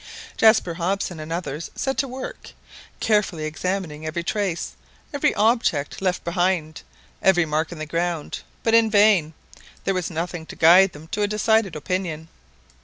Jaspar Hobson and others set to work, carefully examining every trace, every object left behind, every mark on the ground; but in vain, there was nothing to guide them to a decided opinion.